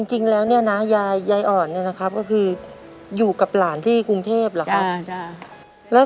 จริงแล้วยายอ่อนก็คืออยู่กับหลานที่กรุงเทพฯหรือครับ